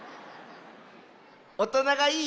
おとながいい？